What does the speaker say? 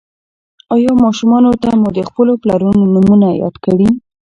ایا ماشومانو ته مو د خپلو پلرونو نومونه یاد کړي؟